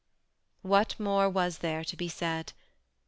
What more was there to be said